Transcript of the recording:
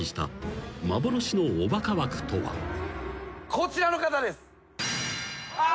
こちらの方です。